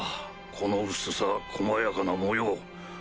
この薄さ細やかな模様。